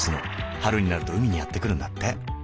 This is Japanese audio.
春になると海にやって来るんだって。